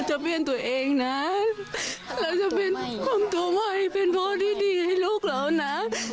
เปลี่ยนตัวเองนะเราจะเป็นคนตัวใหม่เป็นพ่อที่ดีให้ลูกเรานะ